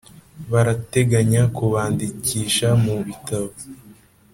Barateganya kubandikisha mu bitabo.